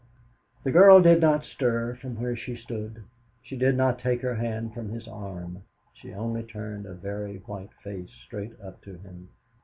The girl did not stir from where she stood. She did not take her hand from his arm. She only turned a very white face straight up to him.